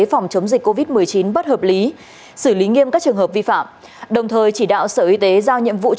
phòng chống dịch covid một mươi chín bất hợp lý xử lý nghiêm các trường hợp vi phạm